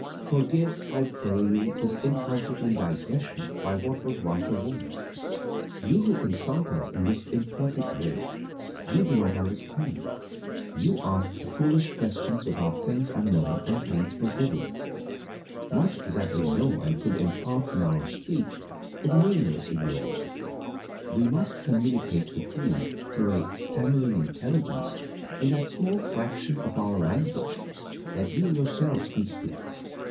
Forgive, I pray you, this inconsequent digression by what was once a woman. You who consult us in this imperfect way you do not understand. You ask foolish questions about things unknown and things forbidden. Much that we know and could impart in our speech is meaningless in yours. We must communicate with you through a stammering intelligence in that small fraction of our language that you yourselves can speak.